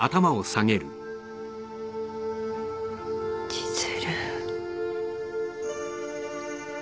千鶴。